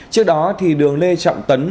trước đó thì đường lê trọng tấn